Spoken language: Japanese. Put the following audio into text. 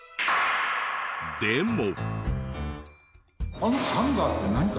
でも。